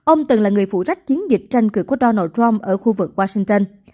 ông từng là người phụ trách chiến dịch tranh cử của donald trump ở khu vực washington